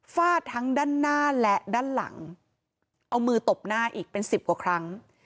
ฟาดทั้งด้านหน้าและด้านหลังเอามือตบหน้าอีกเป็นสิบกว่าครั้ง